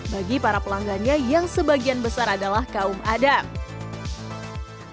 bagi para pelanggannya yang sebagian besar adalah kaum adam